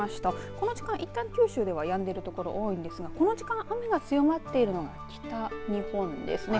この時間いったん九州ではやんでいるところ多いですがこの時間は雨が強まっているのは北日本ですね。